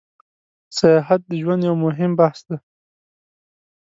سیاحت د ژوند یو موهیم بحث ده